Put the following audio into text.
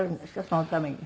そのために。